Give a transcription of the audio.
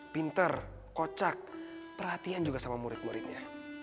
pinter kocak perhatian juga sama murid muridnya